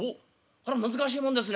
こりゃ難しいもんですね。